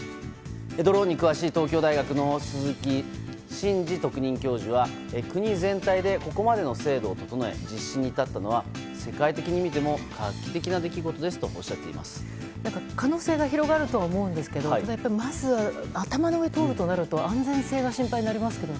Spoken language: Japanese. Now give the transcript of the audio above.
ドローンに詳しい東京大学の鈴木真二特任教授は国全体でここまでの制度を整え実施に至ったのは世界的に見ても画期的な出来事ですと何か、可能性が広がるとは思うんですけどやっぱりまず頭の上となると安全性が心配になりますけどね。